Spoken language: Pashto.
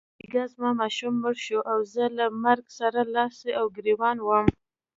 بیګا زما ماشوم مړ شو او زه له مرګ سره لاس او ګرېوان وم.